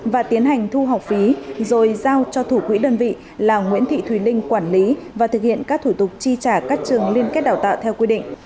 và tiến hành thu học phí rồi giao cho thủ quỹ đơn vị là nguyễn thị thùy linh quản lý và thực hiện các thủ tục chi trả các trường liên kết đào tạo theo quy định